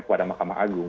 kepada mahkamah agung